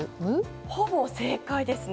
ほぼ正解ですね。